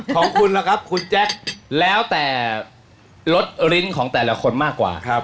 ของคุณล่ะครับคุณแจ็คแล้วแต่รสลิ้นของแต่ละคนมากกว่าครับ